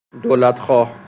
دولت خواه